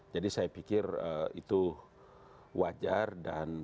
jadi saya pikir itu wajar dan